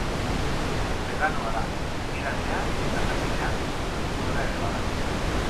Beganoa da, begiralea, eta, jakina, youtuberra ere bada.